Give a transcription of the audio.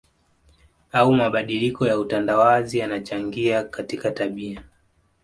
au mabadiliko ya utandawazi yanachangia katika tabia